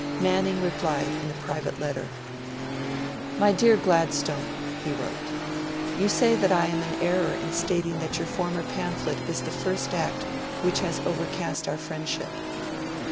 Manning replied in a private letter: 'My dear Gladstone,' he wrote, 'you say that I am in error in stating that your former pamphlet is the first act which has overcast our friendship.